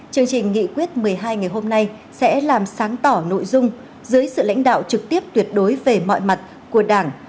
chương trình nghị quyết một mươi hai ngày hôm nay sẽ làm sáng tỏ nội dung dưới sự lãnh đạo trực tiếp tuyệt đối về mọi mặt của đảng